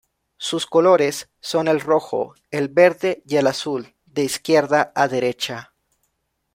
Sus colores son el rojo, el verde y el azul, de izquierda a derecha.